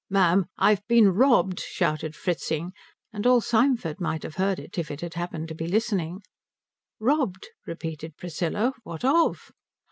"Ma'am, I've been robbed," shouted Fritzing; and all Symford might have heard if it had happened to be listening. "Robbed?" repeated Priscilla. "What of?"